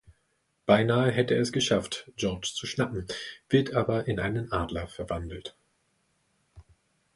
Beinahe hätte er es geschafft, George zu schnappen, wird aber in einen Adler verwandelt.